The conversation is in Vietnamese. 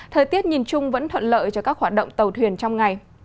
thời tiết nhìn chung vẫn thuận lợi cho các hoạt động tàu thuyền trong ngày